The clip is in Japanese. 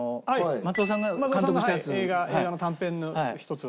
松尾さんがはい映画の短編の一つは。